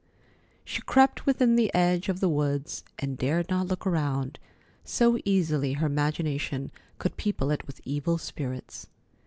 She crept within the edge of the woods, and dared not look around, so easily her imagination could people it with evil spirits.